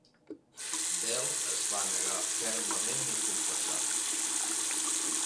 Belle es va negar fermament a confessar.